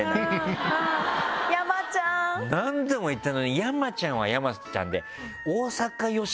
何度も言ったのに山ちゃんは山ちゃんで。